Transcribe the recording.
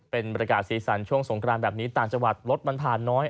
เป็นบรรยากาศสีสันช่วงสงกรานแบบนี้ต่างจังหวัดรถมันผ่านน้อย